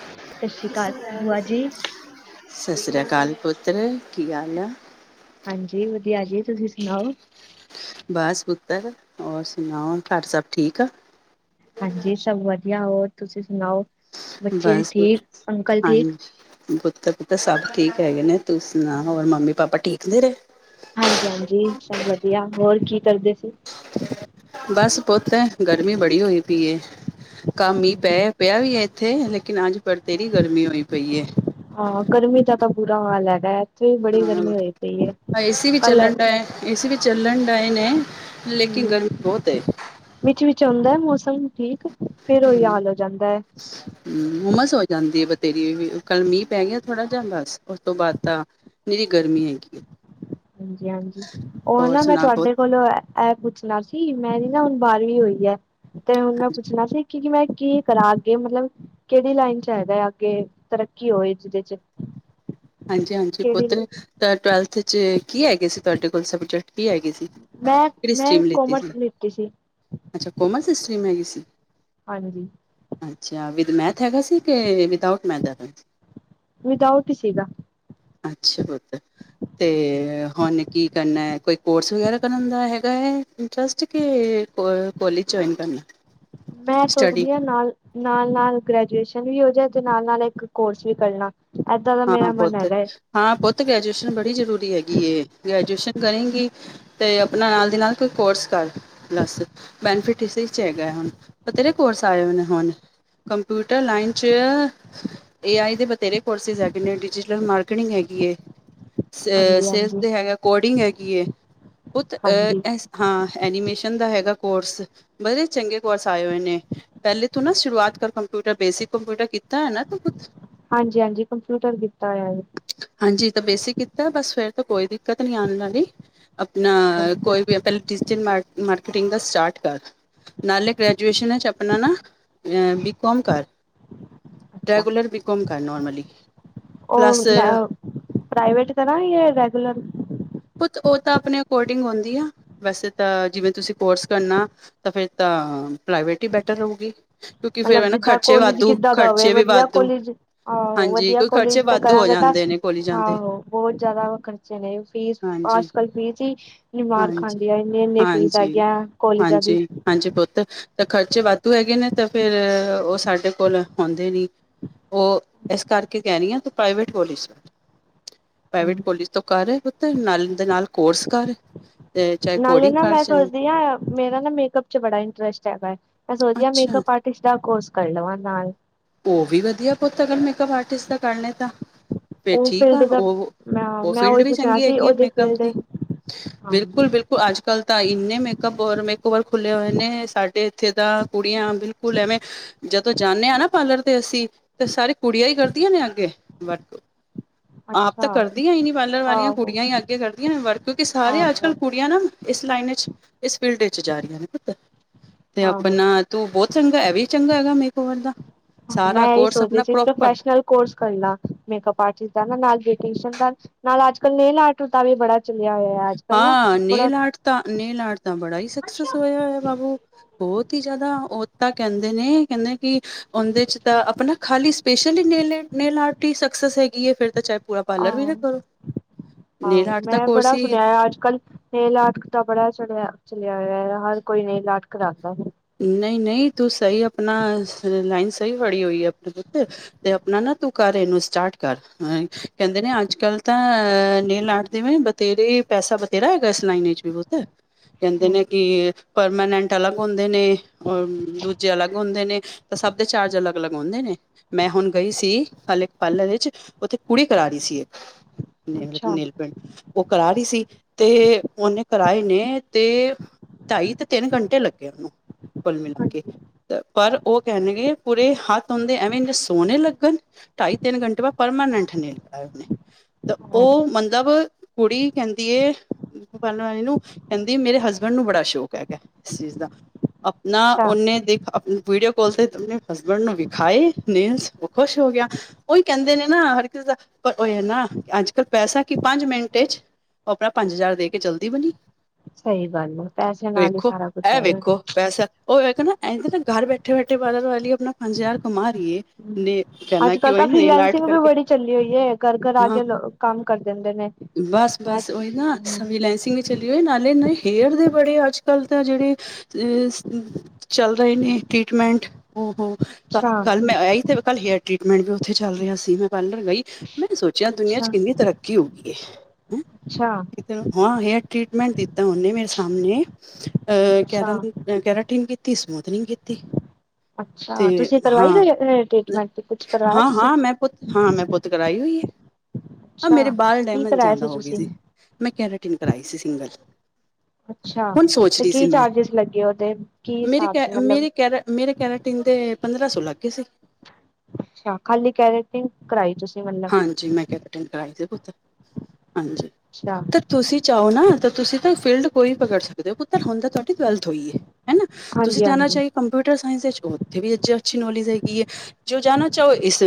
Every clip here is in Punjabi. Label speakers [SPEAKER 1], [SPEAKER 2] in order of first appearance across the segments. [SPEAKER 1] ਸਤਿ ਸ਼੍ਰੀ ਕਾਲ ਜੀ। ਸਤਿ ਸ਼੍ਰੀ ਅਕਾਲ ਪੁੱਤਰ ਕੀ ਹਾਲ ਆ?
[SPEAKER 2] ਹਾਂਜੀ ਵਧੀਆ ਜੀ ਤੁਸੀਂ ਸੁਣਾਓ?
[SPEAKER 1] ਬਸ ਪੁੱਤਰ ਹੋਰ ਸੁਣਾਓ ਘਰ ਸਭ ਠੀਕ ਆ।
[SPEAKER 2] ਹਾਂਜੀ, ਸਭ ਵਧੀਆ ਹੋਰ ਤੁਸੀਂ ਸੁਣਾਓ ਬੱਚੇ
[SPEAKER 1] ਬਸ
[SPEAKER 2] ਠੀਕ ਅੰਕਲ ਠੀਕ।
[SPEAKER 1] ਪੁੱਤ ਪੁੱਤ ਸਭ ਠੀਕ ਹੈਗੇ ਨੇ ਤੁਸੀਂ ਸੁਣਾਓ ਹੋਰ ਮੰਮੀ ਪਾਪਾ ਠੀਕ ਨੇ ਰੇ।
[SPEAKER 2] ਹਾਂਜੀ ਹਾਂਜੀ, ਸਭ ਵਧੀਆ ਹੋਰ ਕੀ ਕਰਦੇ ਸੀ।
[SPEAKER 1] ਬਸ ਪੁੱਤ ਗਰਮੀ ਬੜੀ ਹੋਈ ਪਈ ਐ। ਕਮ ਮੀਂਹ
[SPEAKER 2] ਹਾਂਜੀ
[SPEAKER 1] ਪਿਆ ਪਿਆ ਵੀ ਇੱਥੇ ਲੇਕਿਨ ਅੱਜ ਬਥੇਰੀ ਗਰਮੀ ਹੋਈ ਪਈ ਐ।
[SPEAKER 2] ਹਾਂ, ਗਰਮੀ ਦਾ ਤਾਂ ਬੁਰਾ ਹਾਲ ਹੈਗਾ। ਇੱਥੇ ਵੀ ਬੜੀ ਗਰਮੀ ਹੋਈ ਪਈ। ਹੈ
[SPEAKER 1] ਹਾਂ, ਏ ਸੀ ਵੀ
[SPEAKER 2] ਕੱਲ
[SPEAKER 1] ਚੱਲਣ ਦੇ ਏ ਸੀ ਵੀ ਚੱਲਣ ਡਏ ਨੇ ਲੇਕਿਨ
[SPEAKER 2] ਹਮ
[SPEAKER 1] ਗਰਮੀ ਬੋਤ ਐ।
[SPEAKER 2] ਵਿੱਚ ਵਿੱਚ ਹੁੰਦਾ ਮੌਸਮ ਠੀਕ ਫੇਰ ਓਹੀ ਹਾਲ ਹੋ ਜਾਂਦਾ।
[SPEAKER 1] [inaudible] ਹੂੰ, ਹੁਮਸ ਹੋ ਜਾਂਦੀ ਐ ਬਥੇਰੀ ਕੱਲ ਮੀਂਹ ਪੈ ਗਿਆ ਥੋੜਾ ਜਾ ਬਸ ਉਸ ਤੋਂ ਬਾਅਦ ਤਾਂ ਨੀਰੀ ਗਰਮੀ ਹੈਗੀ ਐ
[SPEAKER 2] ਹਾਂਜੀ, ਹਾਂਜੀ ਉਹ ਨਾ ਮੈਂ
[SPEAKER 1] ਸੁਣਾ ਪੁੱਤ
[SPEAKER 2] ਤੁਹਾਡੇ ਕੋਲੋਂ ਅ ਐਹ ਪੁੱਛਣਾ ਸੀ ਮੇਰੀ ਨਾ ਹੁਣ ਬਾਰਵੀਂ ਹੋਈ ਐ ਤੇ ਹੁਣ ਮੈਂ ਪੁੱਛਣਾ ਸੀ ਕਿ ਕਿ ਮੈਂ ਕੀ ਕਰਾਂ ਅੱਗੇ ਮਤਲਬ ਕਿਹੜੀ ਲਾਈਨ ਚ ਹੈਗਾ ਆ ਅੱਗੇ ਤਰੱਕੀ ਹੋਵੇ ਜਿਹਦੇ ਚ
[SPEAKER 1] ਹਾਂਜੀ ਹਾਂਜੀ
[SPEAKER 2] ਕਿਹੜੀ
[SPEAKER 1] ਪੁੱਤ ਟ ਟਵੈਲਥ ਚ ਕੀ ਹੈਗੇ ਸੀ ਤੁਹਾਡੇ ਕੋਲ ਸਬਜੈਕਟ ਕੀ ਹੈਗੇ ਸੀ
[SPEAKER 2] ਮੈਂ
[SPEAKER 1] ਕਿਹੜੀ
[SPEAKER 2] ਮੈਂ
[SPEAKER 1] ਸਟਰੀਮ ਲਿੱਤੀ
[SPEAKER 2] ਕੋਮਰਸ
[SPEAKER 1] ਸੀ
[SPEAKER 2] ਲਿਤੀ ਸੀ।
[SPEAKER 1] ਅੱਛਾ ਕੋਮਰਸ ਸਟਰੀਮ ਹੈਗੀ ਸੀ।
[SPEAKER 2] ਹਾਂਜੀ
[SPEAKER 1] ਅੱਛਾ ਵਿਦ ਮੈਥ ਹੈਗਾ ਸੀ ਕਿ ਵਿਦਾਊਟ ਮੈਥ
[SPEAKER 2] ਵਿਦਾਊਟ ਹੀ ਸੀਗਾ
[SPEAKER 1] ਅੱਛਾ ਪੁੱਤ ਤੇ ਹੁਣ ਕੀ ਕਰਨਾ ਕੋਈ ਕੋਰਸ ਵਗੈਰਾ ਕਰਨ ਦਾ ਹੈਗਾ ਏ ਇੰਟਰਸਟ ਕੇ ਕੋ ਕੋਲੇਜ ਜੁਆਇਨ ਕਰਨਾ
[SPEAKER 2] ਮੈਂ
[SPEAKER 1] ਸਟੱਡੀ
[SPEAKER 2] ਸੋਚਦੀ ਆ ਨਾਲ ਨਾਲ- ਨਾਲ ਗ੍ਰੈਜੂਏਸ਼ਨ ਵੀ ਹੋ ਜਾਏ ਤੇ ਨਾਲ -ਨਾਲ ਇੱਕ ਕੋਰਸ ਵੀ ਕਰਦਾ।
[SPEAKER 1] ਹਾਂ ਪੁੱਤ, ਹਾਂ ਪੁੱਤ ਗ੍ਰੈਜੂਏਸ਼ਨ ਬੜੀ ਜ਼ਰੂਰੀ ਹੈਗੀ ਏ ਗ੍ਰੈਜੂਏਸ਼ਨ ਕਰੇਗੀ ਤੇ ਆਪਣਾ ਨਾਲ ਦੀ ਨਾਲ ਕੋਈ ਕੋਰਸ ਕਰ। ਪਲਸ ਬੈਨੀਫਿਟ ਇਸੇ ਚ ਹੈਗਾ ਹੁਣ ਬਥੇਰੇ ਕੋਰਸ ਆਏ ਹੋਏ ਨੇ ਹੁਣ। ਕੰਪਿਊਟਰ ਲਾਈਨ ਚ ਏ ਆਈ ਦੇ ਬਥੇਰੇ ਕੋਰਸਿਸ ਹੈਗੇ ਨੇ ਡਿਜੀਟਲ ਮਾਰਕੀਟਿੰਗ ਹੈਗੀ ਏ ਅ
[SPEAKER 2] ਹਾਂਜੀ
[SPEAKER 1] ਸੇਲ
[SPEAKER 2] ਹਾਂਜੀ
[SPEAKER 1] ਤੇ ਹੈਗੇ ਕੋਡਿੰਗ ਹੈਗੀ ਏ ਪੁੱਤ
[SPEAKER 2] ਹਾਂਜੀ
[SPEAKER 1] ਐ ਹਾਂ ਐਨੀਮੇਸ਼ਨ ਦਾ ਹੈਗਾ ਕੋਰਸ ਬੜੇ ਚੰਗੇ ਕੋਰਸ ਆਏ ਹੋਏ ਨੇ। ਪਹਿਲੇ ਤੋਂ ਨਾ ਸ਼ੁਰੂਆਤ ਕਰ ਕੰਪਿਊਟਰ ਬੇਸਿਕ ਕੰਪਿਊਟਰ ਕੀਤਾ ਹੈ ਨਾ ਤੂੰ ਪੁੱਤ
[SPEAKER 2] ਹਾਂਜੀ, ਹਾਂਜੀ ਕੰਪਿਊਟਰ ਕੀਤਾ ਹੋਇਆ ਐ
[SPEAKER 1] ਹਾਂਜੀ ਤਾਂ ਬੇਸਿਕ ਕੀਤਾ ਬਸ ਫੇਰ ਤਾਂ ਕੋਈ ਦਿੱਕਤ ਨੀ ਆਣ ਵਾਲੀ ਆਪਣਾ
[SPEAKER 2] ਹਾਂਜੀ
[SPEAKER 1] ਕੋਈ ਪਹਿਲਾਂ ਡਿਜੀਟਲ ਮਾਰ ਮਾਰਕੀਟਿੰਗ ਦਾ ਸਟਾਰਟ ਕਰ। ਨਾਲੇ ਗ੍ਰੈਜੂਏਸ਼ਨ ਚ ਆਪਣਾ ਨਾ ਅ ਬੀ ਕੋਮ ਕਰ।
[SPEAKER 2] ਅੱਛਾ
[SPEAKER 1] ਰੈਗੂਲਰ ਬੀ ਕੋਮ ਕਰ ਨੋਰਮਲੀ
[SPEAKER 2] ਉਹ
[SPEAKER 1] ਪਲੱਸ
[SPEAKER 2] ਅ ਪ੍ਰਾਈਵੇਟ ਕਰਾ ਜਾਂ ਰੈਗੂਲਰ?
[SPEAKER 1] ਪੁੱਤ ਉਹ ਤਾਂ ਆਪਣੇ ਅਕੋਰਡਿੰਗ ਹੁੰਦੀ ਆ ਵੈਸੇ ਤਾਂ ਜਿਵੇਂ ਤੁਸੀਂ ਕੋਰਸ ਕਰਨਾ ਤਾਂ ਫੇਰ ਤਾਂ ਪ੍ਰਾਈਵੇਟ ਹੀ ਬੈਟਰ ਰਹੂੰਗੀ।
[SPEAKER 2] ਮਤਲਬ ਜਿੱਦਾਂ ਕੋਲਜ ਕਿੱਦਾਂ ਦਾ ਹੋਵੇ
[SPEAKER 1] ਵੀ
[SPEAKER 2] ਵਧੀਆ
[SPEAKER 1] ਵਾਧੂ
[SPEAKER 2] ਕੋਲਜ ਆਹੋ
[SPEAKER 1] ਹਾਂਜੀ
[SPEAKER 2] ਵਧੀਆ।
[SPEAKER 1] ਕਿਉਂ
[SPEAKER 2] ਕੋਲੇਜ
[SPEAKER 1] ਖਰਚੇ
[SPEAKER 2] ਤੇ
[SPEAKER 1] ਵਾਧੂ ਹੋ
[SPEAKER 2] ਕਰਾਂਗਾ ਤਾਂ
[SPEAKER 1] ਜਾਂਦੇ ਨੇ ਕੋਲੀ ਜਾਂਦੇ
[SPEAKER 2] ਆਹੋ ਬਹੁਤ ਜ਼ਿਆਦਾ ਖਰਚੇ ਨੇ ਫੀਸ
[SPEAKER 1] ਹਾਂਜੀ,
[SPEAKER 2] ਅੱਜ ਕਲ ਫੀਸ ਹੀ ਮਾਰ
[SPEAKER 1] ਹਾਂਜੀ,
[SPEAKER 2] ਖਾਂਦੀ ਐ ਇੰਨੇ- ਇੰਨੇ ਫੀਸ ਹੈਗੀਆ ਕੋਲੇਜਾਂ ਦੀ
[SPEAKER 1] ਜੇ ਪੁੱਤ ਤਾਂ ਖਰਚੇ ਵਾਧੂ ਹੈਗੇ ਨੇ ਤੇ ਫੇਰ ਉਹ ਸਾਡੇ ਕੋਲ ਹੁੰਦੇ ਨੀ। ਉਹ ਏਸ ਕਰਕੇ ਕਹਿ ਰਹੀ ਆ ਤੂੰ ਪ੍ਰਾਈਵੇਟ ਕੋਲਿਜ, ਪ੍ਰਾਈਵੇਟ ਕੋਲਿਜ ਤੋਂ ਕਰ ਪੁੱਤ ਨਾਲ ਦੇ ਨਾਲ ਕੋਰਸ ਕਰ ਤੇ ਚਾਹੇ
[SPEAKER 2] ਨਾਲੇ
[SPEAKER 1] ਕੋਡਿੰਗ
[SPEAKER 2] ਨਾ
[SPEAKER 1] ਕਰ
[SPEAKER 2] ਮੈਂ
[SPEAKER 1] ਚਾਹੇ
[SPEAKER 2] ਸੋਚਦੀ ਆ ਮੇਰਾ ਨਾ ਮੇਕਅਪ ਚ ਬੜਾ ਇੰਟਰਸਟ ਹੈਗਾ ਐ ਮੈਂ ਸੋਚਦੀ ਹਾਂ
[SPEAKER 1] ਅੱਛਾ
[SPEAKER 2] ਮੇਕਅਪ ਆ ਟਿਸ਼ਟ ਦਾ ਕੋਰਸ ਕਰ ਲਵਾਂ ਨਾਲ।
[SPEAKER 1] ਉਹ ਵੀ ਵਧੀਆ ਪੁੱਤ ਅਗਰ ਮੇਕਅਪ ਆਰਟਿਸਟ ਦਾ ਕਰਨੇ ਤਾਂ ਫੇਰ
[SPEAKER 2] ਉਹ
[SPEAKER 1] ਠੀਕ ਆ
[SPEAKER 2] ਫੀਲਡ ਦਾ
[SPEAKER 1] ਉਹ
[SPEAKER 2] ਮੈਂ
[SPEAKER 1] ਉਹ
[SPEAKER 2] ਮੈਂ
[SPEAKER 1] ਫੀਲਡ
[SPEAKER 2] ਉਹੀ
[SPEAKER 1] ਵੀ
[SPEAKER 2] ਪੁੱਛਣਾ
[SPEAKER 1] ਚੰਗੀ
[SPEAKER 2] ਸੀ
[SPEAKER 1] ਹੈਗੀ ਆ
[SPEAKER 2] ਉਹਦੇ
[SPEAKER 1] ਮੇਕਅਪ
[SPEAKER 2] ਫੀਲਡ
[SPEAKER 1] ਦੀ।
[SPEAKER 2] ਹਾਂ
[SPEAKER 1] ਬਿਲਕੁਲ, ਬਿਲਕੁਲ। ਅੱਜ ਕੱਲ੍ਹ ਤਾਂ ਇੰਨੇ ਮੇਕਅਪ ਔਰ ਮੇਕਓਵਰ ਖੁੱਲ੍ਹੇ ਹੋਏ ਨੇ ਸਾਡੇ ਇੱਥੇ ਦਾ ਕੁੜੀਆਂ ਬਿਲਕੁਲ ਐਵੇਂ' ਜਦੋਂ ਜਾਂਦੇ ਹਾਂ ਨਾ, ਪਾਰਲਰ ਤੇ ਅਸੀਂ ਤੇ ਸਾਰੇ ਕੁੜੀਆਂ ਹੀ ਕਰਦੀਆਂ ਨੇ ਅੱਗੇ ਵਰਕ ਆਪ ਤਾਂ
[SPEAKER 2] ਅੱਛਾ
[SPEAKER 1] ਕਰਦੀਆਂ ਹੀ ਨੀ ਪਾਰਲਰ ਵਾਲੀਆਂ
[SPEAKER 2] ਆਹੋ
[SPEAKER 1] ਕੁੜੀਆਂ ਹੀ ਅੱਗੇ ਕਰਦੀਆਂ ਨੇ ਵਰਕ ਕਿਉਂਕਿ ਸਾਰੇ ਅੱਜ ਕੱਲ
[SPEAKER 2] ਆਹੋ
[SPEAKER 1] ਕੁੜੀਆਂ ਨਾ, ਇਸ ਲਾਈਨ ਵਿਚ ਇਸ ਫੀਲਡ ਵਿੱਚ ਜਾ ਰਹੀਆਂ ਨੇ ਪੁੱਤ ਤੇ
[SPEAKER 2] ਆਹੋ
[SPEAKER 1] ਆਪਣਾ ਤੂੰ ਬਹੁਤ ਚੰਗਾ ਹੈ ਵੀ ਚੰਗਾ ਹੈਗਾ ਮੇਕਓਵਰ ਦਾ
[SPEAKER 2] ਹਾਂ
[SPEAKER 1] ਸਾਰਾ
[SPEAKER 2] ਮੈਂ ਇਹੀ
[SPEAKER 1] ਕੋਰਸ
[SPEAKER 2] ਸੋਚਦੀ
[SPEAKER 1] ਆਪਣਾ
[SPEAKER 2] ਸੀ
[SPEAKER 1] ਪ੍ਰੋਪਰ
[SPEAKER 2] ਪ੍ਰੋਫੈਸ਼ਨਲ, ਕੋਰਸ ਕਰ ਲਾ ਮੇਕਅਪ ਆਟਿਸਟ ਦਾ, ਨਾਲ ਬਿਊਸ਼ਨ ਦਾ, ਨਾਲ ਅੱਜ ਕਲ ਨੇਲ ਆਰਟ ਦਾ ਵੀ ਬੜਾ ਚਲਿਆ ਹੋਇਆ। ਹੈ ਅੱਜ ਕੱਲ ਨਾ
[SPEAKER 1] ਹਾਂ
[SPEAKER 2] ਬੜਾ
[SPEAKER 1] ਨੇਲਆਰਟ ਤਾਂ, ਨੇਲਆਰਟ ਤਾਂ ਬੜਾ ਹੀ ਸਕਸੈਸ ਹੋਇਆ ਬਾਬੂ। ਬੋਤ ਹੀ ਜ਼ਿਆਦਾ ਉਹ ਤਾਂ ਕਹਿੰਦੇ ਨੇ ਕਹਿੰਦੇ ਕਿ ਉਹਦੇ ਚ ਤਾਂ ਆਪਣਾ ਖਾਲੀ ਸਪੈਸ਼ਲ ਨੇਲ ਆਟ ਈ ਸਕੇਸਸ ਹੈਗੀ ਹੈ ਫਿਰ ਤਾਂ ਚ'
[SPEAKER 2] ਆਹ,
[SPEAKER 1] ਨੇਲ
[SPEAKER 2] ਆਹੋ
[SPEAKER 1] ਆਰਟ ਦਾ
[SPEAKER 2] ਮੈਂ
[SPEAKER 1] ਕੋਰਸ
[SPEAKER 2] ਬੜਾ
[SPEAKER 1] ਹੀ
[SPEAKER 2] ਸੁਣਿਆ ਅੱਜ ਕੱਲ, ਇਹ ਨੇਲ ਆਰਟਕ ਤਾਂ ਬੜਾ ਚਲਿਆ -ਚਲਿਆ ਹੋਇਆ ਹਰ ਕੋਈ ਨੇਲਆਰਟ ਕਰਾਂਦਾ ਪੇਐ।
[SPEAKER 1] ਨਹੀਂ, ਨਹੀਂ ਤੂੰ ਸਹੀ ਆਪਣਾ ਲਾਈਨ ਸਹੀ ਫੜੀ ਹੋਈ ਹੈ ਆਪਣੇ ਪੁੱਤ ਤੇ ਆਪਣਾ ਨਾ ਤੂੰ ਕਰ ਇਹਨੂੰ ਸਟਾਰਟ ਕਰ। ਕਹਿੰਦੇ ਨੇ ਅੱਜ ਕੱਲ੍ਹ ਤਾਂ ਨੇਲ ਆਰਟ ਦੇ ਬਥੇਰੇ ਪੈਸਾ ਬਥੇਰਾ ਹੈਗਾ ਇਸ ਲਾਈਨ ਚ ਵੀ ਬਹੁਤ' ਕਹਿੰਦੇ
[SPEAKER 2] ਹੈ
[SPEAKER 1] ਨੇ ਕਿ ਪਰਮਾਨੈਂਟ ਅਲੱਗ ਹੁੰਦਾ, ਸੀ ਨੇ ਔਰ ਦੂਜੇ ਅਲੱਗ ਹੁੰਦੇ ਨੇ ਤਾਂ ਸਭ ਦੇ ਚਾਰਜ ਅਲੱਗ- ਅਲੱਗ ਹੁੰਦੇ ਨੇ। ਮੈਂ ਹੁਣ ਗਈ ਸੀ ਕੱਲ ਇੱਕ ਪਾਰਲਰ ਵਿੱਚ ਉੱਥੇ ਕੁੜੀ ਕਰਾ ਰਹੀ ਸੀ ਇੱਕ, ਨੇਲ,
[SPEAKER 2] ਅੱਛਾ
[SPEAKER 1] ਨੇਲਪੈਂਟ ਉਹ ਕਰਾ ਰਹੀ ਸੀ ਤੇ ਉਹਨੇ ਕਰਾਏ ਨੇ ਤੇ ਢਾਈ ਤੇ ਤਿੰਨ ਘੰਟੇ ਲੱਗੇ ਉਹਨੂੰ। ਕੁਲ ਮਿਲਾ ਕੇ ਪਰ ਉਹ ਕਹਿਣਗੇ ਪੂਰੇ ਹੱਥ ਹੁੰਦੇ ਐਵੇਂਂ ਸੋਣੇ ਲੱਗਣ ਢਾਈ ਤਿੰਨ ਘੰਟੇ ਬਾਅਦ ਪਰਮਾਨੈਂਟ ਨੇਲ ਕਰਾਏ ਓਨੇ ਤਾਂ
[SPEAKER 2] ਹਾਂ
[SPEAKER 1] ਉਹ ਮਤਲਬ ਕੁੜੀ ਕਹਿੰਦੀ ਏ ਫਣ ਵਾਲੀ ਨੂੰ ਕਹਿੰਦੀ ਮੇਰੇ ਹਸਬੈਂਡ ਨੂੰ ਬੜਾ ਸ਼ੌਕ ਹੈਗਾ ਇਸ ਚੀਜ਼ ਦਾ ਆਪਣਾ
[SPEAKER 2] ਅੱਛਾ
[SPEAKER 1] ਉਹਨੇ ਦੇਖ ਆਪਣੇ ਵੀਡੀਓ ਕਾਲ ਤੇ ਹਸਬੈਂਡ ਨੂੰ ਵਿਖਾਏ ਨੇ ਲਸ ਓ ਖੁਸ਼ ਹੋ ਗਿਆ ਉਹੀ ਕਹਿੰਦੇ ਨੇ ਨਾ ਹਰ ਕਿਸ ਦਾ ਉਹ ਹੈ ਨਾ ਅੱਜ ਕਲ ਪੈਸਾ ਕਿ ਪੰਜ ਮਿੰਟ ਚ ਉਹ ਆਪਣਾ ਪੰਜ ਹਜ਼ਾਰ ਦੇ ਕੇ ਚਲਦੀ ਬਣੀ
[SPEAKER 2] ਸਹੀ ਗੱਲ ਹੈ ਪੈਸਿਆਂ ਨਾਲ ਹੀ
[SPEAKER 1] ਵੇਖੋ
[SPEAKER 2] ਸਾਰਾ ਕੁੱਛ
[SPEAKER 1] ਇਹ
[SPEAKER 2] ਹੈਗਾ
[SPEAKER 1] ਵੇਖੋ ਪੈਸਾ ਉਹ ਵੇਖੋ ਨਾ ਐਂਜ ਏ ਨਾ ਘਰ ਬੈਠੇ ਬੈਠੇ ਪਾਲਰ ਵਾਲੀ ਆਪਣਾ ਪੰਜ ਹਜ਼ਾਰ ਕਮਾ ਰਹੀਏ
[SPEAKER 2] ਅੱਜ ਕੱਲ ਤਾਂ ਫ੍ਰੀਲੈਂਸਿੰਗ ਵੀ ਬੜੀ ਚੱਲੀ ਹੋਈ ਹੈ ਘਰ, ਘਰ ਆ ਕੇ ਕੰਮ ਕਰ ਦਿੰਦੇ ਨੇ
[SPEAKER 1] ਬਸ ਬਸ ਓਹੀ
[SPEAKER 2] ਅੱਛਾ
[SPEAKER 1] ਨਾ ਸਵੀ ਲੈ ਸਿੰਘ ਚਲੀਓਏ ਨਾਲੇ ਨਾ ਹੇਅਰ ਦੇ ਬੜੇ ਅੱਜ ਕਲ ਤਾਂ ਜਿਹੜੇ ਇਹ ਚੱਲ ਨਹੀਂ ਟ੍ਰੀਟਮੈਂਟ ਉਹ, ਉਹ ਕੱਲ ਮੈਂ ਆਈ ਤੇ ਕੱਲ੍ਹ ਹੇਅਰ ਟਰੀਟਮੈਂਟ ਵੀ ਉੱਥੇ ਚੱਲ ਰਿਹਾ ਸੀ ਮੈਂ ਪਾਰਲਰ ਗਈ ਮੈਂ ਸੋਚਿਆ ਦੁਨੀਆਂ ਚ
[SPEAKER 2] ਅੱਛਾ
[SPEAKER 1] ਕਿੰਨੀ ਤਰੱਕੀ ਕੀ ਹੋ ਗਈ ਹੈ ਹ
[SPEAKER 2] ਅੱਛਾ
[SPEAKER 1] ਹਾਂ ਹੇਅਰ ਟ੍ਰਰੀਟਮੈਂਟ ਦਿੱਤਾ ਉਹਨੇ ਮੇਰੇ ਸਾਹਮਣੇ ਅਹ ਕਹਿ ਦ
[SPEAKER 2] ਅੱਛਾ,
[SPEAKER 1] ਕੈਰਾਟੀਨ ਕੀਤੀ ਸਮੂਥਨਿੰਗ ਕੀਤੀ ਤੇ
[SPEAKER 2] ਅੱਛਾ ਤੁਸੀਂ
[SPEAKER 1] ਹਾਂ
[SPEAKER 2] ਕਰਵਾਈ ਕੋਈ ਟ੍ਰੀਟਮੈਂਟ ਤੇ ਕੁਛ ਕਰਵਾਇਆ
[SPEAKER 1] ਹਾਂ,
[SPEAKER 2] ਤੁਸੀਂ?
[SPEAKER 1] ਹਾਂ ਮੈਂ ਪੁੱਤ ਹਾਂ ਮੈਂ ਪੁੱਤ ਕਰਾਈ ਹੋਈ ਹੈ ਆਹ
[SPEAKER 2] ਅੱਛਾ,
[SPEAKER 1] ਮੇਰੇ ਬਾਲ
[SPEAKER 2] ਕੀ
[SPEAKER 1] ਡੈਮੇਜ
[SPEAKER 2] ਕਰਾਇਆ
[SPEAKER 1] ਜਾਂਦਾ ਹੋ ਗੇ
[SPEAKER 2] ਤੁਸੀਂ?
[SPEAKER 1] ਸੀ ਮੈਂ ਕੈਰਾਟੀਨ ਕਰਵਾਈ ਸੀ ਸਿੰਗਲ
[SPEAKER 2] ਅੱਛਾ
[SPEAKER 1] ਹੁਣ
[SPEAKER 2] ਤੇ ਕੀ ਚਾਰਜਿਸ ਲੱਗੇ ਉਹਦੇ ਕੀ
[SPEAKER 1] ਮੇਰੀ
[SPEAKER 2] ਹਿਸਾਬ
[SPEAKER 1] ਕੈ
[SPEAKER 2] ਸੀ ਮਤਲਬ?
[SPEAKER 1] ਮੇਰੀ ਕੈਰ ਮੇਰੇ ਕੈਰਟੀਨ ਦੇ ਪੰਦਰਾਂ ਸੌ ਲੱਗ ਗਏ ਸੀ।
[SPEAKER 2] ਅੱਛਾ ਖਾਲੀ ਕੈਰਾਟੀਨ ਕਰਾਈ ਤੁਸੀਂ ਮਤਲਬ
[SPEAKER 1] ਜੀ ਮੈਂ ਕਿਹਾ ਹੁਣ ਤਾਰ ਦਿਏ ਪੁਤ, ਹਾਂਜੀ-, -
[SPEAKER 2] ਅੱਛਾ
[SPEAKER 1] ਤੁਸੀਂ ਚਾਹੋ ਨਾ ਤੁਸੀਂ ਤਾਂ ਫੀਲਡ ਕੋਈ ਪਕੜ ਸਕਦੇ ਹੋ ਪੁੱਤਰ ਹੁਣ ਤੁਹਾਡੀ ਟਵਾਲਥ ਹੋਈ ਏ ਹੈਨਾ, ਤੁਸੀਂ ਜਾਣਾ
[SPEAKER 2] ਹਾਂਜੀ-ਹਾਂਜੀ।
[SPEAKER 1] ਚਾਹਏ ਕੰਪਿਊਟਰ ਸਾਇੰਸ ਵਿੱਚ ਉੱਥੇ ਵੀ ਅਛੀ ਨੌਲੇਜ ਹੈਗੀ ਏ ਜੋ ਜਾਣਾ ਚਾਹੋ ਇਸ-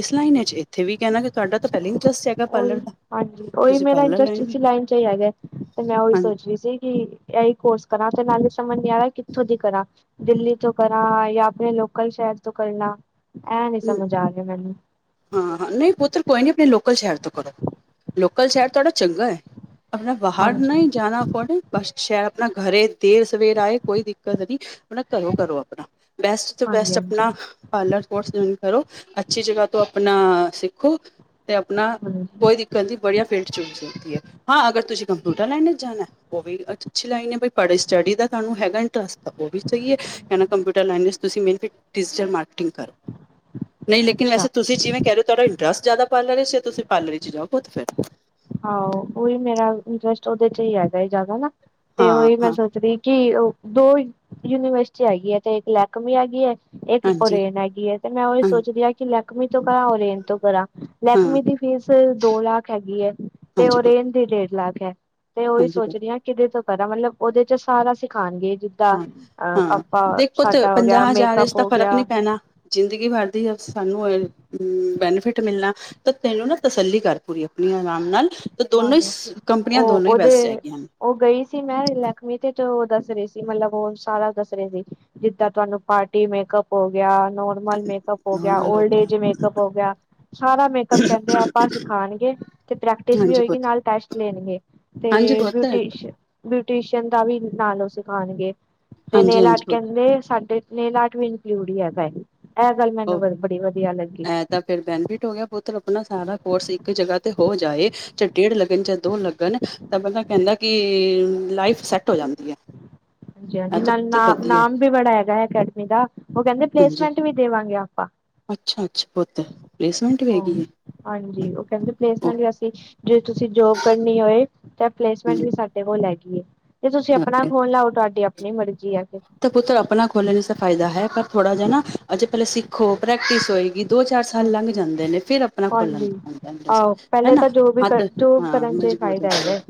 [SPEAKER 1] ਇਸ ਲਾਈਨ ਵਿਚ ਇੱਥੇ ਵੀ ਕਹਿੰਦਾ ਕਿ ਤੁਹਾਡਾ ਤਾਂ ਪਹਿਲੇ ਹੀ ਇੰਨਟਸਟ ਹੈਗਾ
[SPEAKER 2] ਉਹੀ
[SPEAKER 1] ਪਾਰਲਰ ਦਾ
[SPEAKER 2] ਹਾਂਜੀ, ਉਹੀ
[SPEAKER 1] ਤੁਸੀਂ
[SPEAKER 2] ਮੇਰਾ
[SPEAKER 1] ਪਾਰਲਰ
[SPEAKER 2] ਇੰਟਰਸਟ ਇਸ
[SPEAKER 1] ਵੀ
[SPEAKER 2] ਲਾਈਨ ਚ ਹੀ ਹੈਗਾ ਤੇ ਮੈਂ ਉਹੀ
[SPEAKER 1] ਹਾਂ
[SPEAKER 2] ਸੋਚ ਰਹੀ ਸੀ ਕਿ ਇਹੀ ਕੋਰਸ ਕਰਾਂ ਤੇ ਨਾਲ ਹੀ ਸਮਝ ਨੀ ਰਿਹਾ ਕਿੱਥੋਂ ਦੀ ਕਰਾਂ ਦਿੱਲੀ ਤੋਂ ਕਰਾਂ ਜਾਂ ਆਪਣੇ ਲੋਕਲ ਸ਼ਹਿਰ ਤੋਂ ਕਰਨਾ ਐ ਨੀ ਸਮਝ ਆ ਰਿਹਾ ਮੈਨੂੰ
[SPEAKER 1] ਹਾਂ-ਹਾਂ ਨਹੀਂ ਪੁੱਤਰ ਕੋਈ ਨੀ ਆਪਣੇ ਲੋਕਲ ਸ਼ਹਿਰ ਤੋਂ ਕਰੋ, ਲੋਕਲ ਸ਼ਹਿਰ ਤੁਹਾਡਾ ਚੰਗਾ ਏ ਆਪਣਾ ਬਾਹਰ
[SPEAKER 2] ਹਾਂਜੀ,
[SPEAKER 1] ਨਹੀਂ ਜਾਣਾ ਪੜਨ ਸ਼ਹਿਰ ਆਪਣਾ ਘਰੇ ਦੇਰ ਸਵੇਰ ਆਏ ਕੋਈ ਦਿੱਕਤ ਨੀ ਘਰੋਂ ਕਰੋਂ ਆਪਣਾ ਬੈਸਟ ਤੋਂ ਬੈਸਟ
[SPEAKER 2] ਹਾਂਜੀ-ਹਾਂਜੀ,
[SPEAKER 1] ਆਪਣਾ ਪਾਲਰ ਕੋਰਸ ਕਰੋ, ਅੱਛੀ ਜਗ੍ਹਾ ਤੋਂ ਆਪਣਾ ਸਿੱਖੋ ਤੇ ਆਪਣਾ
[SPEAKER 2] ਹਾਂਜੀ। ਹਾਂਜੀ
[SPEAKER 1] ਕੋਈ ਦਿਕਤ ਕਹਿੰਦੀ ਬੜੀਆ ਫੀਲਡ ਚੂਜ ਏ, ਹਾਂ ਅਗਰ ਤੁਸੀਂ ਕੰਪਿਊਟਰ ਲੈਣ ਵਿੱਚ ਜਾਣਾ ਉਹ ਵੀ ਅੱਛੀ ਲਾਈਨ ਏ ਪੜੇ ਸਟੱਡੀ ਦਾ ਤੁਹਾਨੂੰ ਹੈਗਾ ਇੰਟਰਸਟ ਤਾਂ ਉਹ ਵੀ ਸਹੀ ਹੈ। ਕੰਪਿਊਟਰ ਲਾਈਨ ਦੇ ਵਿੱਚ ਤੁਸੀਂ ਮੇਨ ਫਿਰ ਡਿਜੀਟਲ ਮਾਰਕਟਿੰਗ ਕਰੋ ਨਹੀਂ ਲੇਕਿਨ
[SPEAKER 2] ਅੱਛਾ
[SPEAKER 1] ਵੈਸੇ ਤੁਸੀਂ ਜਿਂਵੇ ਕਹਿ ਰਹੇ ਹੋ ਤੁਹਾਡਾ ਇੰਟਰਸਟ ਜ਼ਿਆਦਾ ਪਾਲਰ ਚ ਤੁਸੀ ਪਾਲਰ ਚ ਜਾਓ ਪੁੱਤ ਫਿਰ
[SPEAKER 2] ਆਹੋ ਉਹੀ ਮੇਰਾ ਇੰਟਰਸਟ ਉਹਦੇ ਚ ਹੀ ਹੈਗਾ ਜ਼ਿਆਦਾ ਨਾ ਤੇ
[SPEAKER 1] ਹਾਂ
[SPEAKER 2] ਉਹੀ ਮੈਂ
[SPEAKER 1] ਹਾਂ
[SPEAKER 2] ਸੋਚਦੀ ਕਿ ਉਹ ਦੋ ਯੂਨੀਵਰਸਿਟੀ ਹੈਗੀ ਤੇ ਇੱਕ ਲੈਕਮੀ ਹੈਗੀ ਏ ਇੱਕ
[SPEAKER 1] ਹਾਂਜੀ
[SPEAKER 2] ਓਰੇਨ ਹੈਗੀ ਏ ਤੇ ਮੈਂ ਉਹੀ
[SPEAKER 1] ਹਾਂਜੀ
[SPEAKER 2] ਸੋਚਦੀ ਹਾਂ ਕਿ ਲੈਕਮੀ ਤੋਂ ਕਰਾਂ ਓਰੇਨ ਤੋਂ ਕਰਾਂ
[SPEAKER 1] ਹਾਂ
[SPEAKER 2] ਲੈਕਮੀ ਦੀ ਫੀਸ ਦੋ ਲੱਖ ਹੈਗੀ ਏ ਤੇ
[SPEAKER 1] ਹਾਂਜੀ ਬ
[SPEAKER 2] ਓਰੇਨ ਦੀ ਡੇਢ ਲੱਖ ਏ ਤੇ ਉਹੀ
[SPEAKER 1] ਹਾਂਜੀ ਬ
[SPEAKER 2] ਸੋਚ ਰਹੀ ਹਾਂ ਕਿਦੇ ਤੋਂ ਕਰਾਂ ਮਤਲਬ ਉਹਦੇ ਚ ਸਾਰਾ ਸਿਖਾਉਣਗੇ ਜਿੱਦਾਂ ਅ
[SPEAKER 1] ਹਾਂ-ਹਾਂ,
[SPEAKER 2] ਆਪਾਂ
[SPEAKER 1] ਦੇਖੋ ਪੁੱਤ
[SPEAKER 2] ਸਾਡਾ ਹੋ ਗਿਆ
[SPEAKER 1] ਪੰਜਾਹ ਹਜ਼ਾਰ
[SPEAKER 2] ਮੇਕਅਪ
[SPEAKER 1] ਤਾਂ
[SPEAKER 2] ਹੋ
[SPEAKER 1] ਫ਼ਰਕ ਨਹੀਂ
[SPEAKER 2] ਗਿਆ
[SPEAKER 1] ਪੈਣਾ ਜ਼ਿੰਦਗੀ ਭਰ ਦੀ ਅ ਸਾਨੂੰ, ਬੈਨੀਫਿਟ ਮਿਲਣਾ ਤਾਂ ਤੈਨੂੰ ਨਾ ਤਸਲੀ ਕਰ ਪੂਰੀ ਆਪਣੀ ਆਰਾਮ ਨਾਲ ਤਾਂ ਦੋਨੋਂ ਈ ਕੰਪਨੀਆਂ ਦੋਨੋਂ ਈ ਬੈਸਟ ਹੈਗੀਆਂ ਹਨ।
[SPEAKER 2] ਓ ਗਈ ਸੀ ਮੈਂ ਲੈਕਮੀ ਤੇ ਦੱਸ ਰਹੇ ਸੀ ਮੱਤਲਬ ਓਹ ਸਾਰਾ ਦੱਸ ਰਹੇ ਸੀ ਜਿਦਾਂ ਤੁਹਾਨੂੰ ਪਾਰਟੀ ਮੇਕਅਪ ਹੋ ਗਿਆ ਨੋ ਮਤਲਬ ਮੇਕਅਪ ਹੋ ਗਿਆ
[SPEAKER 1] ਨੋਰਮਲ
[SPEAKER 2] ਓਲਡ
[SPEAKER 1] ਗਿਆ
[SPEAKER 2] ਏਜ ਮੇਕਅਪ ਹੋ ਗਿਆ ਸਾਰਾ ਮੇਕਅੱਪ ਕੈਂਦੇ ਆਪਾਂ ਸਿਖਾਉਣਗੇ ਤੇ ਪ੍ਰੈਕ ਟਿਸ ਵੀ
[SPEAKER 1] ਹਾਂਜੀ
[SPEAKER 2] ਹੋਏਗੀ
[SPEAKER 1] ਪੁੱਤ
[SPEAKER 2] ਨਾਲ ਟੈਸਟ ਲੈਣਗੇ,
[SPEAKER 1] ਹਾਂਜੀ
[SPEAKER 2] ਤੇ
[SPEAKER 1] ਪੁੱਤ
[SPEAKER 2] ਬਿਊਟੀਸ ਬਿਊਟੀਸ਼ਅਨ ਦਾ ਵੀ ਨਾਲ ਸਿਖਾਣਗੇ, ਤੇ
[SPEAKER 1] ਹਾਂਜੀ
[SPEAKER 2] ਨੇਲ
[SPEAKER 1] ਹਾਂਜੀ
[SPEAKER 2] ਆਰਟ
[SPEAKER 1] ਪੁੱਤ
[SPEAKER 2] ਕੈਂਦੇ ਸਾਡੇ ਨੇਲ ਆਰਟ ਵੀ ਇਨਕਲੂਡ ਈ ਹੈਗਾ ਏ ਗੱਲ ਮੈਨੂੰ
[SPEAKER 1] ਉਹ
[SPEAKER 2] ਬੜੀ ਵਧੀਆ ਲੱਗੀ
[SPEAKER 1] ਇਹ ਤਾਂ ਫਿਰ ਬੈਨੀਫਿਟ ਹੋ ਗਿਆ ਪੁੱਤਰ ਆਪਣਾ ਸਾਰਾ ਕੋਰਸ ਇੱਕ ਜਗ੍ਹਾ ਤੇ ਹੋ ਜਾਏ ਚਲੋ ਡੇਢ ਲੱਗਣ ਦੋ ਲੱਗਣ ਤਾਂ ਬੰਦਾ ਕੈਂਦਾ ਕਿ ਲਾਈਫ ਸੈਟ ਹੋ ਜਾਂਦੀ ਏ
[SPEAKER 2] ਹਾਂਜੀ-ਹਾਂਜੀ ਨਾਲ ਨਾਮ ਵੀ ਬੜਾ ਹੈਗਾ ਅਕੈਡਮੀ ਦਾ ਓਹ ਕੈਂਦੇ
[SPEAKER 1] ਹਾਂਜੀ
[SPEAKER 2] ਪਲੇਸਮੈਂਟ ਵੀ ਦੇਵਾਂਗੇ ਆਪਾਂ
[SPEAKER 1] ਅੱਛਾ-ਅੱਛਾ ਪੁੱਤ ਪਲੇਸਮੈਂਟ ਵੀ
[SPEAKER 2] ਹਾਂ
[SPEAKER 1] ਹੈਗੀ ਏ
[SPEAKER 2] ਹਾਂਜੀ ਓ ਕੈਂਦੇ ਪਲੇਸਮੈਂਟ ਵੀ ਅਸੀਂ ਜੇ ਤੁਸੀਂ ਜੋਬ ਕਰਨੀ ਹੋਏ ਤਾਂ ਪਲੇਸਮੈਂਟ ਵੀ
[SPEAKER 1] ਓਕੇ
[SPEAKER 2] ਸਾ ਕੋਲ ਹੈਗੀ ਏ ਤੇੇ ਤੁਸੀਂ ਆਪਣਾ ਖੋਲ ਲਓ ਤੁਹਾਡੀ ਆਪਣੀ ਮਰਜ਼ੀ ਏ ਫਿਰ
[SPEAKER 1] ਤਾਂ ਪੁੱਤਰ ਆਪਣਾ ਖੋਲਣ ਵਿਚ ਫਾਇਦਾ ਹੈ ਪਰ ਥੋੜ੍ਹਾ ਜਿਹਾ ਨਾ ਅਜੇ ਪੈਲੇ ਸਿੱਖ ਹੋਰ ਪ੍ਰੈਕਟਿਸ ਹੋਵੇਗੀ ਦੋ ਚਾਰ ਸਾਲ ਲੰਘ
[SPEAKER 2] ਹਾਂਜੀ।
[SPEAKER 1] ਜਾਂਦੇ ਨੇ ਫਿਰ ਆਪਣਾ
[SPEAKER 2] ਹਾਂਜੀ
[SPEAKER 1] ਖੋਲਾਂਗੇ
[SPEAKER 2] ਆਹੋ ਪਹਿਲੇ
[SPEAKER 1] ਹੈਨਾ,
[SPEAKER 2] ਤਾਂ ਜੋਬ ਹੀ
[SPEAKER 1] ਹੱਥ
[SPEAKER 2] ਕਰ ਜੋਬ
[SPEAKER 1] ਹਾਂ
[SPEAKER 2] ਕਰਨ ਚ
[SPEAKER 1] ਮਜ਼ਬੂਤ
[SPEAKER 2] ਫਾਇਦਾ
[SPEAKER 1] ਹੁੰਦੀ ਐ,
[SPEAKER 2] ਹੈਗਾ।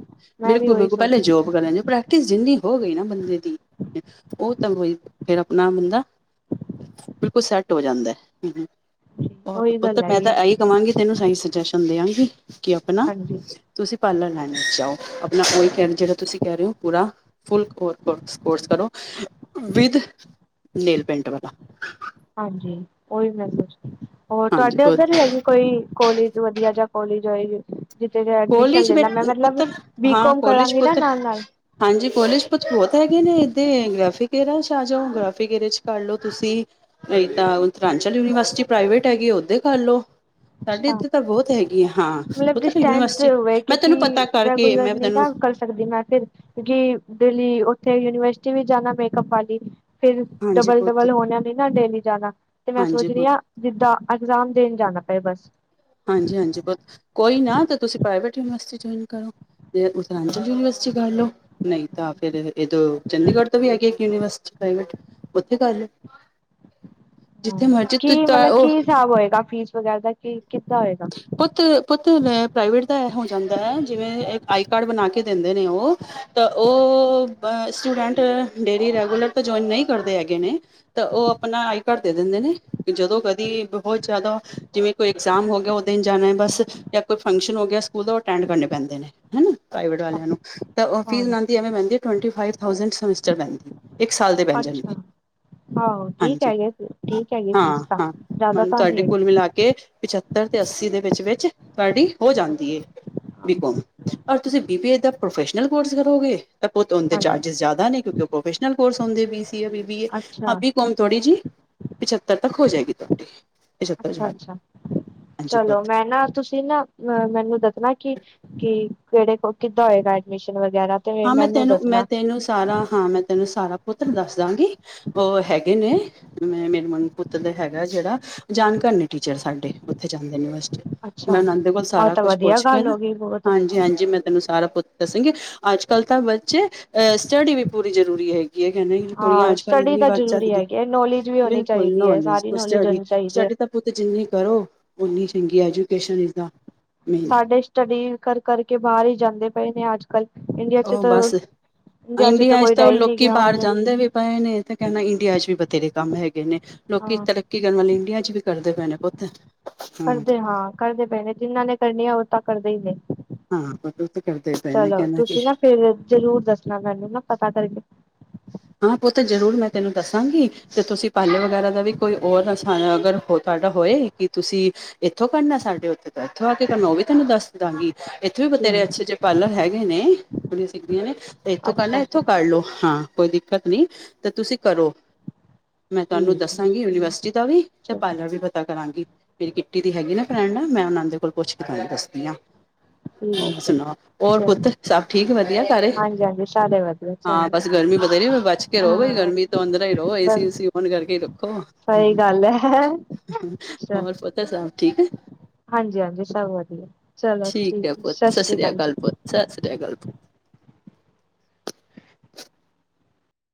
[SPEAKER 2] ਮੈਂ ਵੀ ਉਹੀ
[SPEAKER 1] ਬਿਲਕੁੱਲ-ਬਿਲਕੁੱਲ
[SPEAKER 2] ਸੋਚ
[SPEAKER 1] ਪੈਲੇ ਜੋ ਬ
[SPEAKER 2] ਰਹੀ
[SPEAKER 1] ਕਰ ਲੈਂਦੇ, ਪ੍ਰੈਕਟਿਸ ਜਿੰਨੀ ਹੋ ਗਈ ਨਾ ਬੰਦੇ ਦੀ ਓ [unintelligible] ਫਿਰ ਆਪਣਾ ਬੰਦਾ, ਬਿਲਕੁੱਲ ਸੈਟ ਹੋ ਜਾਂਦੈ। ਹੋਰ
[SPEAKER 2] ਉਹੀ
[SPEAKER 1] ਪੁੱਤਰ
[SPEAKER 2] ਗੱਲ
[SPEAKER 1] ਮੈਂ
[SPEAKER 2] ਹੈਗੀ
[SPEAKER 1] ਤਾਂ
[SPEAKER 2] ਹੈ
[SPEAKER 1] ਐਈ ਕਵਾਂਗੀ, ਤੈਨੂੰ ਸਈ ਸੁਜੈਸ਼ਨ ਦਿਆਂਗੀ, ਕੀ ਆਪਣਾ
[SPEAKER 2] ਹਾਂਜੀ
[SPEAKER 1] ਤੁਸੀਂ ਪਾਰਲਰ ਲੈਣ ਵਿੱਚ ਜਾਓ, ਆਪਣਾ ਓ ਕੈ ਜੇੜਾ ਤੁਸੀਂ ਕੈ ਰੇ ਓ ਪੂਰਾ ਫੁਲ ਕੋ ਕੋਰਸ ਕਰੋ। ਵਿਦ, ਨੇਲ ਪੈਂਟ ਵਾਲਾ।
[SPEAKER 2] ਹਾਂਜੀ, ਓਈ ਮੈ ਸੋਚ, ਹੋਰ
[SPEAKER 1] ਹਾਂਜੀ
[SPEAKER 2] ਤੁਹਾਡੇ ਉੱਧਰ
[SPEAKER 1] ਬਹੁਤ
[SPEAKER 2] ਵੀ ਹੈਗੀ ਕੋਈ ਕੋਲੇਜ, ਵਧੀਆ ਜਾਂ ਕੋਲੇਜ ਹੋਏ ਜਿੱਥੇ ਦਾ ਐਡਮਿਸ਼ਨ
[SPEAKER 1] ਕੋਲਜ ਬੇ
[SPEAKER 2] ਲੈਲਾਂ ਮੈਂ, ਮਤਲਬ
[SPEAKER 1] ਪੁੱਤਰ ਹਾਂ
[SPEAKER 2] ਬੀਕੋਮ
[SPEAKER 1] ਕੋਲਜ
[SPEAKER 2] ਕਰਾਂਗੀ ਨਾ
[SPEAKER 1] ਪੁੱਤਰ
[SPEAKER 2] ਨਾਲ-ਨਾਲ।
[SPEAKER 1] ਹਾਂਜੀ, ਕੋਲੇਜ ਕੁੱਛ ਬੋਤ ਹੈਗੇ ਨੇ। ਇਦੇ ਗ੍ਰਾਫਿਕ ਏਰ 'ਚ ਆ ਜਾਓ, ਗ੍ਰਾਫਿਕ ਏਰੇ 'ਚ ਕਰ ਲਓ ਤੁਸੀਂ। ਨਈ ਤਾਂ, ਉਤਰਾਂਚਲ ਯੂਨੀਵਰਸਿਟੀ ਪ੍ਰਾਈਵੇਟ ਹੈਗੀ, ਓਦੇ ਕਰਲੋ। ਸਾਡੇ ਇੱਥੇ ਤਾਂ ਬੋਤ ਹੈਗੀ ਆ, ਹਾਂ। ਪੁੱਤ
[SPEAKER 2] ਸਟੈਂਥ ਹੋਵੇ, ਕਿਉਂਕੀ
[SPEAKER 1] ਮੈਂ
[SPEAKER 2] ਰੈਗੂਲਰਲੀ ਨੀ
[SPEAKER 1] ਤੈਨੂੰ
[SPEAKER 2] ਨਾ ਕਰ ਸਕਦੀ ਮੈਂ ਫਿਰ, ਕਿਉਕਿ ਡੇਲੀ ਉੱਥੇ ਯੂਨੀਵਰਸਿਟੀ ਵੀ ਜਾਂਨਾ, ਮੇਕਅਪ ਵਾਲੀ। ਫਿਰ
[SPEAKER 1] ਹਾਂਜੀ ਪੁੱਤ
[SPEAKER 2] ਡਬਲ-ਡਬਲ ਹੋਣਾ ਨੀ ਨਾ ਡੇਲੀ ਜਾਣਾ, ਤੇ ਮੈਂ
[SPEAKER 1] ਹਾਂਜੀ
[SPEAKER 2] ਸੋਚ
[SPEAKER 1] ਪੁੱਤ
[SPEAKER 2] ਰੀਆ ਜਿੱਦਾਂ, ਇਗਜ਼ਾਮ ਦੇਣ ਜਾਣਾ ਪਏ ਬਸ।
[SPEAKER 1] ਹਾਂਜੀ-ਹਾਂਜੀ ਪੁ ਕੋਈ ਨਾ, ਤਾਂ ਤੁਸੀਂ ਪ੍ਰਾਈਵੇਟ ਯੂਨੀਵਰਸਿਟੀ ਜੁਆਇਨ ਕਰੋ। ਤੇ
[SPEAKER 2] ਹਾਂਜੀ
[SPEAKER 1] ਉਤਰਾਂਚਲ
[SPEAKER 2] ਹਾਂਜੀ।
[SPEAKER 1] ਯੂਨੀਵਰਸਿਟੀ ਕਰੱਲੋ, ਨਈ ਤਾਂ [unintelligible] ਏਦੋ ਚੰਡੀਗੜ੍ਹ ਤੋਂ ਵੀ ਹੈਗੀ ਆ, ਇਕ ਯੂਨੀਵਰਸਿਟੀ ਪ੍ਰਾਈਵੇਟ, ੳਦੇ ਕਰਲੋ। [inaudible]
[SPEAKER 2] ਹਾਂ, ਕੀ ਮਤਲਬ
[SPEAKER 1] ਉਹ
[SPEAKER 2] ਕੀ ਹਿਸਾਬ ਹੋਏਗਾ ਫੀਸ ਵਗੈਰਾ ਦਾ, ਕੀ ਕਿੱਦਾਂ ਹੋਏਗਾ?
[SPEAKER 1] ਪੁੱਤ-ਪੁੱਤ ਪ੍ਰਾਈਵੇਟ ਦਾ ਐ ਹੋ ਜਾਂਦੈ, ਜਿਵੇਂ ਆਈ ਕਾਰਡ ਬਣਾ ਕੇ ਦਿੰਦੇ ਨੇ ਓ ਤਾਂ ਓ ਸਟੂਡੈਂਟ, ਡੇਲੀ ਰੈਗੂਲਰ ਤਾਂ ਜੁਆਇਨ ਨੀ ਕਰਦੇ ਹੈਗੇ ਨੇ। ਤ ਓ ਆਪਣਾ ਆਈ ਕਾਰਡ ਦੇ ਦਿੰਦੇ ਨੇ, ਜਦੋਂ ਕਦੀ ਬੋਹ ਜਾਦਾ, ਜਿਵੇਂ ਕੋਈ ਐਗਜ਼ਾਮ ਹੋ ਗਿਆ ਓ ਦਿਨ ਜਾਣਾ ਬਸ, ਜਾਂ ਕੋਈ ਫੰਕਸ਼ਨ ਹੋ ਗਿਆ ਸਕੂਲ ਦਾ, ਓ ਅਟੈਂਡ ਕਰਨੇ ਪੈਂਦੇ ਨੇ। ਹਨਾਂ ਪ੍ਰਾਈਵੇਟ ਵਾਲਿਆ ਨੂੰ, ਰ ਫੀਸ
[SPEAKER 2] ਹਾਂਜੀ
[SPEAKER 1] ਓਨਾਂ ਦੀ ਐਵੇਂ ਪਾਂਦੀ ਆ, ਟਵੇਂਟੀ ਫਾਇਵ ਥਾਉਜੇਂਟ, ਪਰ ਸਮੈਸਟਰ ਪੈਂਦੀ। ਇੱਕ ਸਾਲ ਦੇ ਬੈ ਜਾਣਗੇ।
[SPEAKER 2] ਅੱਛਾ ਆਹੋ ਠੀਕ
[SPEAKER 1] ਹਾਂਜੀ,
[SPEAKER 2] ਹੈਗੇ ਠੀਕ ਹੈਗੀ ਫੀਸ ਤਾਂ
[SPEAKER 1] ਹਾਂ-ਹਾਂ,
[SPEAKER 2] ਜ਼ਿਆਦਾ
[SPEAKER 1] ਮਨ
[SPEAKER 2] ਤਾਂ ਨਹੀਂ
[SPEAKER 1] ਤੁਹਾਡੇ ਕੋਲ
[SPEAKER 2] ਹੈਗੀ
[SPEAKER 1] ਮਿਲਾ ਕੇ ਪਿੱਛ ਤਰ ਤੇ ਅੱਸੀ ਦੇ ਵਿੱਚ-ਵਿਚ, ਤੁਹਾਡੀ ਹੋ ਜਾਂਦੀ
[SPEAKER 2] ਹਾਂ
[SPEAKER 1] ਏ। ਬੀਕੋਮ, ਓਰ ਤੁਸੀਂ ਬੀਬੀਏ ਦਾ ਪ੍ਰੋਫੈਸ਼ਲ ਕੋਰਸ ਕਰੋਗੇ। ਤਾਂ ਪੁੱਤ ਉਦੇ ਚਾਰਜਿਸ ਜਾਦਾ ਨੇ, ਕਿਉਂਕਿ ਓ ਪ੍ਰੋਫੈਸ਼ਨਲ ਕੋਰਸ ਹੁੰਦੇ B C, B B A, ਹਾਂ
[SPEAKER 2] ਅੱਛਾ
[SPEAKER 1] ਬੀ ਹੂਨ ਥੋੜੀ ਜੀ, ਪਚੱਤਰ ਤੱਕ ਹੋ ਜਾਏਗੀ ਤੁਹਾਡੀ, ਪਚੱਤਰ
[SPEAKER 2] ਅੱਛਾ
[SPEAKER 1] ਹਜ਼ਾਰ ਤੱਕ।
[SPEAKER 2] ਅੱਛਾ ਚਲੋ ਮੈਂ ਨਾ, ਤੁਸੀਂ ਨਾ ਅ ਮੈਨੂੰ ਦੱਸਣਾ ਕਿ, ਕਿ ਕਿਹੜੇ ਕੋ ਕਿੱਦਾਂ ਹੋਏਗਾ, ਐਡਮਿਸ਼ਨ ਵਗੈਰਾ। ਤੇ
[SPEAKER 1] ਹਾਂ ਮੈਂ
[SPEAKER 2] ਮੈਨੂੰ
[SPEAKER 1] ਤੈਨੂੰ, ਮੈਂ
[SPEAKER 2] ਦੱਸਣਾ
[SPEAKER 1] ਤੈਨੂੰ ਸਾਰਾ, ਹਾਂ ਮੈਂ ਤੈਨੂੰ ਸਾਰਾ ਪੁੱਤਰ ਦੱਸ ਦਾਂਗੀ। ਉਹ ਹੈਗੇ ਨੇ ਮੇਰੇ ਮਨ ਪੁੱਤ ਦਾ ਹੈਗਾ ਜਿਹੜਾ, ਜਾਣ ਕਾਰ ਟੀਚਰ ਨੇ ਸਾਡੇ, ਉੱਥੇ ਜਾਂਦੇਨੇ
[SPEAKER 2] ਅੱਛਾ
[SPEAKER 1] ਮੈਂ ਉਹਦੇ ਕੋਲ
[SPEAKER 2] ਆਹ
[SPEAKER 1] ਸਾਰਾ
[SPEAKER 2] ਤਾਂ
[SPEAKER 1] ਕੁਛ
[SPEAKER 2] ਵਧੀਆ
[SPEAKER 1] ਪੁੱਛ ਕੇ
[SPEAKER 2] ਗੱਲ
[SPEAKER 1] ਨਾ,
[SPEAKER 2] ਹੋ ਗਈ ਬਹੁਤ
[SPEAKER 1] ਹਾਂਜੀ-ਹਾਂਜੀ, ਮੈਂ ਤੈਨੂੰ ਸਾਰਾ ਪੁੱਤ ਦੱਸਣਗੇ। ਅੱਜ ਕੱਲ੍ਹ ਤਾਂ ਬੱਚੇ, ਅਹ ਸਟੱਡੀ ਵੀ ਪੂਰੀ ਜ਼ਰੂਰੀ ਹੈਗੀ। ਕਹਿੰਦੇ ਕੁੜੀਆਂ,
[SPEAKER 2] ਹਾਂ
[SPEAKER 1] ਅੱਜ ਕੱਲ
[SPEAKER 2] ਸਟੱਡੀ
[SPEAKER 1] ਇੰਨੀ
[SPEAKER 2] ਤਾਂ
[SPEAKER 1] ਵੱਧ ਚੱਲ
[SPEAKER 2] ਜ਼ਰੂਰੀ
[SPEAKER 1] ਗਏ,
[SPEAKER 2] ਹੈਗੀ ਹੈ ਨੌਲੇਜ ਵੀ ਹੋਣੀ
[SPEAKER 1] ਬਿਲਕੁਲ।
[SPEAKER 2] ਚਾਹੀਦੀ ਹੈ
[SPEAKER 1] ਨੌਲੇਜ
[SPEAKER 2] ਸਾਰੀ ਨੌਲੇਜ
[SPEAKER 1] ਸਟੱਡੀ
[SPEAKER 2] ਹੋਣੀ ਚਾਹੀਦੀ ਹੈ
[SPEAKER 1] -ਸਟੱਡੀ ਤਾਂ ਪੁਤ ਜਿੰਨੀ ਕਰੋ, ਉਨੀ ਚੰਗੀ ਹੈ ਐਜੂਕੇਸ਼ਨ ਦਾ।
[SPEAKER 2] ਸਾਡੇ ਸਟੱਡੀ ਕਰ ਕਰਕੇ, ਬਾਹਰ ਹੀ ਜਾਂਦੇ ਪਏ ਨੇ ਅੱਜ ਕੱਲ੍ਹ। ਇੰਡੀਆ ਚ
[SPEAKER 1] ਉਹ
[SPEAKER 2] ਤਾਂ
[SPEAKER 1] ਬਸ, ਇੰਡੀਆ 'ਚ
[SPEAKER 2] ਕੋਈ
[SPEAKER 1] ਤਾਂ
[SPEAKER 2] ਰਹਿ ਹੀ ਨਹੀਂ
[SPEAKER 1] ਲੋਕੀ
[SPEAKER 2] ਗਿਆ
[SPEAKER 1] ਬਾਹਰ
[SPEAKER 2] ਹੁਣ
[SPEAKER 1] ਜਾਂਦੇ ਵੀ ਪਏ ਨੇ ਮੈਂ ਕਹਿਣਾ, ਇੰਡੀਆ 'ਚ ਵੀ ਬਥੇਰੇ ਕੰਮ ਹੈਗੇ ਨੇ। ਲੋਕੀ,
[SPEAKER 2] ਹਾਂ
[SPEAKER 1] ਤਰੱਕੀ ਕਰਨ ਵਾਲੇ, ਇੰਡੀਆ ਚ ਵੀ ਕਰਦੇ ਪਏ ਨੇ, ਪੁੱਤ ਹੂੰ
[SPEAKER 2] ਕਰਦੇ ਹਾਂ ਕਰਦੇ ਪਏ ਨੇ, ਜਿਹਨਾਂ ਨੇ ਕਰਨੀ ਆ, ਉਹ ਤਾਂ ਕਰਦੇ ਹੀ ਪਏ ਨੇ
[SPEAKER 1] ਹਾਂ ਤੇ ਓਵੀ ਤੇ, ਕਰਦੇ ਪਏ
[SPEAKER 2] ਚਲੋ
[SPEAKER 1] ਕਹਿੰਣਾ ਕਿ
[SPEAKER 2] ਤੁਸੀਂ ਨਾ ਫਿਰ ਜ਼ਰੂਰ ਦੱਸਣਾ ਮੈਨੂੰ ਨਾ, ਪਤਾ ਕਰਕੇ
[SPEAKER 1] ਹਾਂ, ਪੁਤ ਜ਼ਰੂਰ ਮੈਂ ਤੈਨੂੰ, ਦੱਸਾਂਗੀ ਤੇ ਤੁਸੀਂ, ਪਾਰਲਰ ਵਗੈਰਾ ਦਾ ਵੀ, ਕੋਈ ਔਰ ਦਾ ਸਹਾਰਾ ਅਗਰ ਤਾਡਾ ਹੋਏ ਕਿ ਤੁਸੀਂ ਇੱਥੋਂ ਪੜਨਾਂ ਸਾਡੇ ਉੱਥੇ ਤਾਂ, ਇੱਥੋਂ ਆ ਕੇ ਕਰਨਾ ਮੈ ਉਹ ਵੀ, ਤੈਨੂੰ ਦੱਸ ਦਾਂਗੀ ਸਾਡੇ, ਇੱਥੇ ਵੀ ਬਥੇਰੇ
[SPEAKER 2] ਠੀਕ
[SPEAKER 1] ਅੱਛੇ -ਅੱਛੇ ਪਾਰਲਰ ਹੈਗੇ ਨੇ ਕੁੜੀਆਂ ਸਿੱਖਦੀਆਂ ਨੇ, ਇੱਥੋਂ ਕਰਨਾ
[SPEAKER 2] ਅੱਛਾ ਅੱਛਾ
[SPEAKER 1] ਇੱਥੋਂ, ਕਰ ਲੋ ਹਾਂ ਕੋਈ ਦਿੱਕਤ ਨਈ, ਤੇ ਤੁਸੀਂ ਕਰੋ ਮੈਂ ਤੁਹਾਨੂੰ
[SPEAKER 2] ਠੀਕ ਹੈ
[SPEAKER 1] ਦੱਸਾਂਗੀ,
[SPEAKER 2] ਚਲੋ
[SPEAKER 1] ਯੂਨੀਵਰਸਿਟੀ ਦਾ ਵੀ, ਤੇ
[SPEAKER 2] ਚਲੋ
[SPEAKER 1] ਪਾਰਲਰ ਵੀ ਪਤਾ ਕਰਾਂਗੀ ਮੇਰੀ ਕਿੱਟੀ ਦੀ ਹੈਗੀ ਨਾ ਫਰੈਂਡ, ਮੈਂ ਉਹਨਾਂ ਦੇ ਕੋਲ ਪੁੱਛ ਕੇ, ਫਿਰ ਦੱਸਦੀ ਆ ਹੋਰ
[SPEAKER 2] ਠੀਕ ਹੈ
[SPEAKER 1] ਸੁਣਾ, ਹੋਰ
[SPEAKER 2] ਚਲੋ
[SPEAKER 1] ਪੁੱਤ ਸਭ ਠੀਕ ਵਧੀਆ, ਸਾਰੇ
[SPEAKER 2] ਹਾਂਜੀ ਹਾਂਜੀ ਸਾਰੇ ਵਧੀਆ
[SPEAKER 1] ਹਾਂ
[SPEAKER 2] ਚਲੋ
[SPEAKER 1] ਬਸ। ਗਰਮੀ ਵਧ ਰਹੀ, ਬਚ ਕੇ ਰਹੋ, ਏ
[SPEAKER 2] ਹਾਂ
[SPEAKER 1] ਗਰਮੀ ਤੋਂ ਅੰਦਰੇ ਈ ਰਹੋ,
[SPEAKER 2] ਬਸ
[SPEAKER 1] ਏਸੀ -ਉਸੀ ਓਨ ਕਰਕੇ ਹੀ ਰੱਖੋ
[SPEAKER 2] ਸਹੀ ਗੱਲ ਹੈ
[SPEAKER 1] ਹੋਰ ਪੁੱਤ, ਸਭ ਠੀਕ ਨੇ
[SPEAKER 2] ਹਾਂਜੀ -ਹਾਂਜੀ ਸਭ ਵਧੀਆ ਚਲੋ ਠੀਕ,
[SPEAKER 1] ਹੈ ਪੁੱਤ
[SPEAKER 2] ਸਤਿ ਸ਼੍ਰੀ ਅਕਾਲ ਜੀ।
[SPEAKER 1] ਸਤਿ ਸ਼੍ਰੀ ਅਕਾਲ, ਪੁੱਤ।